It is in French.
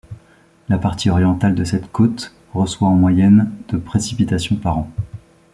La partie orientale de cette côte reçoit en moyenne de précipitations par an.